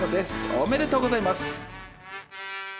おめでとうございます」。